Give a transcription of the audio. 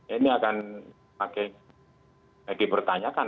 ini akan lagi dipertanyakan